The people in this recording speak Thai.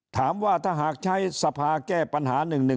ถามว่าถ้าหากใช้สภาแก้ปัญหา๑๑๒